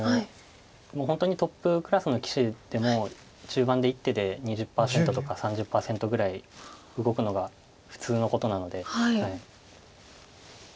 本当にトップクラスの棋士でも中盤で１手で２０％とか３０％ぐらい動くのが普通のことなので。